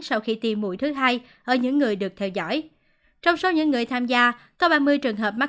sau khi tiêm mũi thứ hai ở những người được theo dõi trong số những người tham gia có ba mươi trường hợp mắc